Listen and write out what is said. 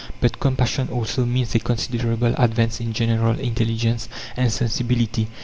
But compassion also means a considerable advance in general intelligence and sensibility.